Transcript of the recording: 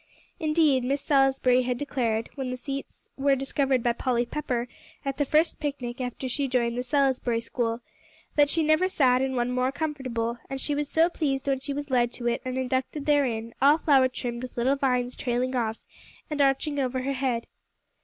Indeed, Miss Salisbury had declared, when the seats were discovered by Polly Pepper at the first picnic after she joined the "Salisbury School," that she never sat in one more comfortable; and she was so pleased when she was led to it and inducted therein, all flower trimmed with little vines trailing off, and arching over her head.